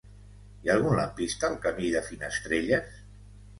Hi ha algun lampista al camí de Finestrelles?